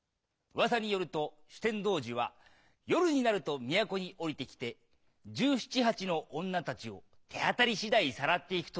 うわさによると酒呑童子は夜になると都におりてきて１７１８の女たちを手当たりしだいさらっていくといいます。